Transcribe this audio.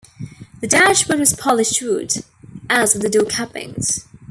The dashboard was polished wood as were the door cappings.